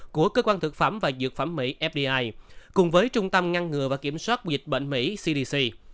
của cơ quan thực phẩm và dược phẩm mỹ fdi cùng với trung tâm ngăn ngừa và kiểm soát bệnh tật mỹ cdc